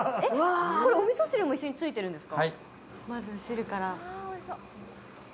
これ、おみそ汁も一緒についてるんですか？